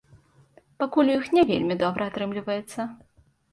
Пакуль у іх не вельмі добра атрымліваецца.